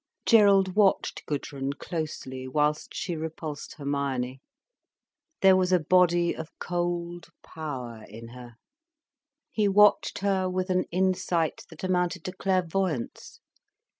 Gerald watched Gudrun closely, whilst she repulsed Hermione. There was a body of cold power in her. He watched her with an insight that amounted to clairvoyance.